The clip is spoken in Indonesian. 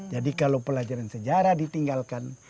jadi kalau pelajaran sejarah ditinggalkan